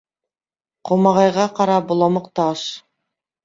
Ҡомағайға ҡара боламыҡ та аш.